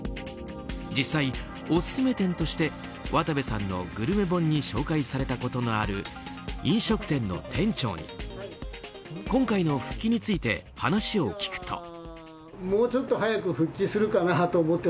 実際、オススメ店として渡部さんのグルメ本に紹介されたことがある飲食店の店長に今回の復帰について話を聞くと。